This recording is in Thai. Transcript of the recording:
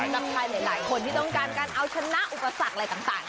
กับใครหลายคนที่ต้องการการเอาชนะอุปสรรคอะไรต่าง